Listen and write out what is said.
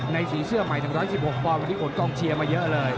ในสีเสื้อใหม่ทั้ง๑๑๖พอวันนี้โกรธกล้องเชียร์มาเยอะเลย